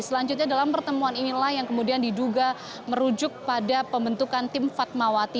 selanjutnya dalam pertemuan inilah yang kemudian diduga merujuk pada pembentukan tim fatmawati